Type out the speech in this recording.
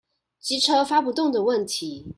機車發不動的問題